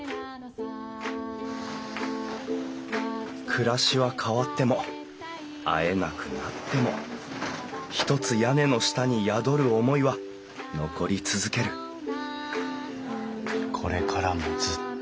暮らしは変わっても会えなくなってもひとつ屋根の下に宿る思いは残り続けるこれからもずっと。